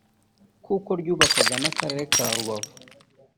kuko ryubakwaga n’Akarere ka Rubavu